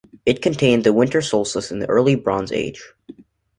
It contained the winter solstice in the Early Bronze Age.